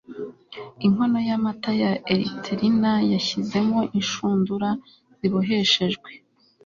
inkono y'amata ya erythrina, yashyizemo inshundura ziboheshejwe